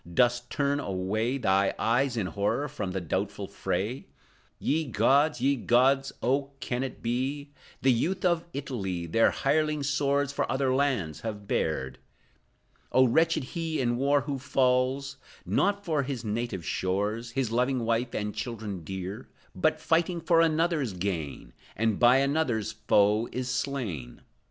Dost turn away Thy eyes, in horror, from the doubtful fray? Ye gods, ye gods. Oh, can it be? The youth of Italy Their hireling swords for other lands have bared! Oh, wretched he in war who falls, Not for his native shores, His loving wife and children dear, But, fighting for another's gain, And by another's foe is slain!